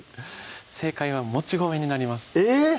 正解はもち米になりますえぇっ！